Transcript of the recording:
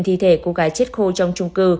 thi thể cô gái chết khô trong trung cư